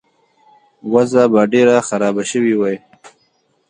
وضع به ډېره خرابه شوې وای.